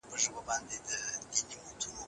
د کابل ښار په تېرو کلونو کي بدلون وکړ.